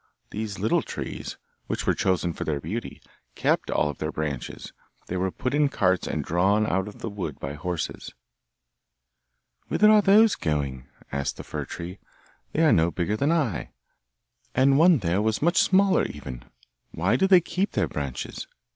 These little trees, which were chosen for their beauty, kept all their branches; they were put in carts and drawn out of the wood by horses. 'Whither are those going?' asked the fir tree; 'they are no bigger than I, and one there was much smaller even! Why do they keep their branches?